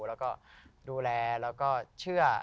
แล้วก็ดูแลแล้วก็เชื่อ